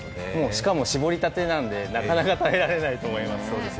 しかも搾りたてなのでなかなか食べられないと思います。